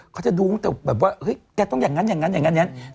เขาจะดูตั้งแต่แบบว่าเฮ้ยแกต้องอย่างนั้นอย่างนั้นอย่างนั้นอย่างนั้น